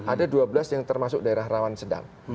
ada dua belas yang termasuk daerah rawan sedang